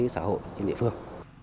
kinh tế xã hội trên địa phương